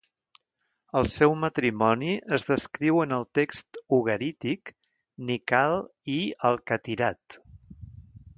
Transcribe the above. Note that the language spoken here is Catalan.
El seu matrimoni es descriu en el text ugarític "Nikkal i el Kathirat".